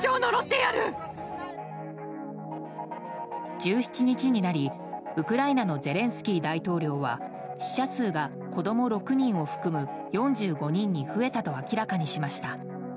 １７日になり、ウクライナのゼレンスキー大統領は死者数が、子供６人を含む４５人に増えたと明らかにしました。